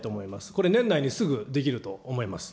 これ年内にすぐできると思います。